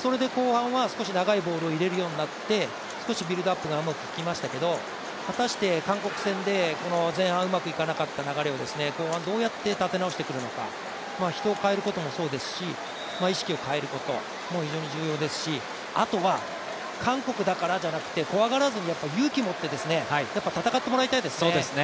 それで後半は少し長いボールを入れるようになって少しビルドアップがうまくいきましたけど、果たして韓国戦で前半うまくいかなかった流れを後半どうやって立て直していくのか、人を代えることもそうですし、意識を変えることも非常に重要ですし、あとは韓国だからじゃなくて、怖がらずに勇気を持って戦ってもらいたいですね。